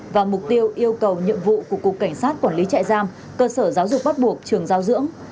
và mục tiêu yêu cầu nhiệm vụ của cục cảnh sát quản lý trại giam cơ sở giáo dục bắt buộc trường giao dưỡng